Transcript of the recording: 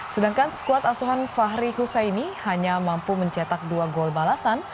sedangkan skuad asuhan fahri husaini hanya mampu mencetak dua gol balasan